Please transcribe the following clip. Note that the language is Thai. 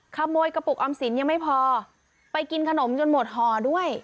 ขโมยกระปุกออมสินยังไม่พอไปกินขนมจนหมดห่อด้วย